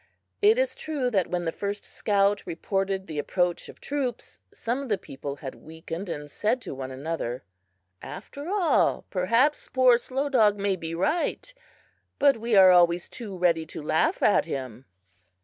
It is true that when the first scout reported the approach of troops some of the people had weakened, and said to one another: "After all, perhaps poor Slow Dog may be right; but we are always too ready to laugh at him!"